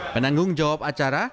penanggung jawab acara